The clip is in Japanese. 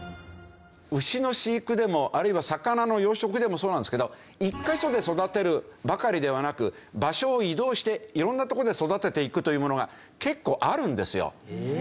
牛の飼育でもあるいは魚の養殖でもそうなんですけど１カ所で育てるばかりではなく場所を移動して色んなとこで育てていくというものが結構あるんですよ。